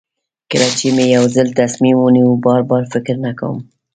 کله چې مې یو ځل تصمیم ونیو بار بار فکر نه کوم.